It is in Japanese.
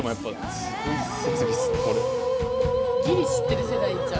ギリ知ってる世代ちゃう？